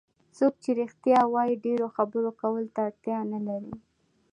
څوک چې رښتیا وایي ډېرو خبرو کولو ته اړتیا نه لري.